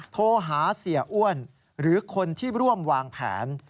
โทรหาเสียอ้วนหรือคนที่ร่วมวางแผน